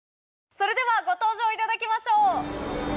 それではご登場いただきましょう。